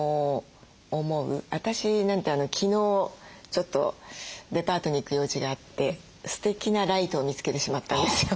私なんて昨日ちょっとデパートに行く用事があってすてきなライトを見つけてしまったんですよ。